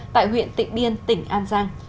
tại huyện tịnh điên tỉnh an giang